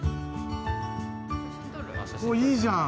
おいいじゃん。